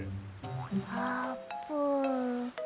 あーぷん。